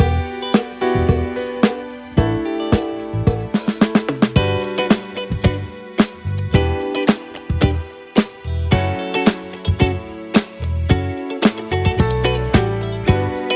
โอเคขอบคุณครับ